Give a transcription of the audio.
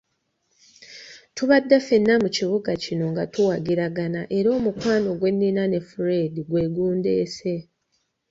Tubadde ffena mu kibuga kino nga tuwagiragana era omukwano gwe nnina ne Fred gwe gundeese.